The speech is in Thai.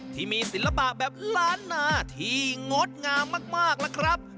ที่มีศิลปะแบบล้านนาที่งดงามมากล่ะครับ